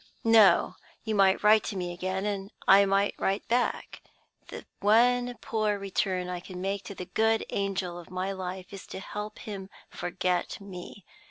"No! You might write to me again; and I might write back. The one poor return I can make to the good angel of my life is to help him to forget me.